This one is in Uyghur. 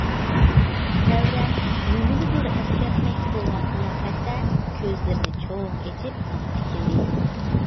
— نەۋرەم نېمىنىدۇر ئەسكەرتمەكچى بولغان قىياپەتتە كۆزلىرىنى چوڭ ئېچىپ ماڭا تىكىلدى.